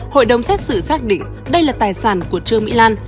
hội đồng xét xử xác định đây là tài sản của trương mỹ lan